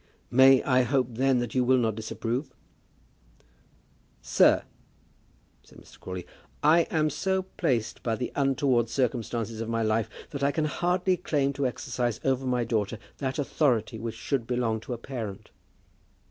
"May I hope, then, that you will not disapprove?" "Sir," said Mr. Crawley, "I am so placed by the untoward circumstances of my life that I can hardly claim to exercise over my own daughter that authority which should belong to a parent."